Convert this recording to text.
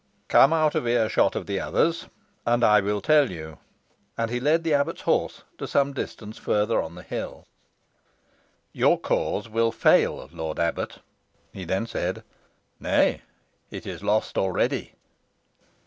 "Come out of earshot of the others, and I will tell you," replied Demdike. And he led the abbot's horse to some distance further on the hill. "Your cause will fail, lord abbot," he then said. "Nay, it is lost already."